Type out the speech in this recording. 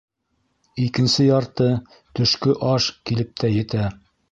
Икенсе ярты —төшкө аш —килеп тә етә!